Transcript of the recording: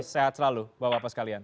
sehat selalu bapak bapak sekalian